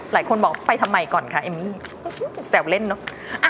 หลายคนบอกไปทำไมก่อนคะเอมมี่แซวเล่นเนอะ